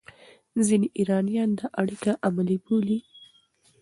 ځینې ایرانیان دا اړیکه عملي بولي.